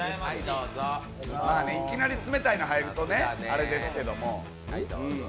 いきなり冷たいの入るとあれですけども。